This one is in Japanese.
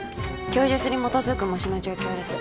供述に基づく模試の状況です